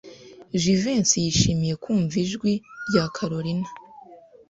Jivency yishimiye kumva ijwi rya Kalorina.